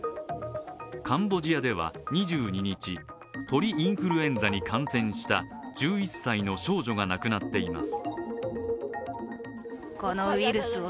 カンボジアでは２２日、鳥インフルエンザに感染した１１歳の少女が亡くなっています。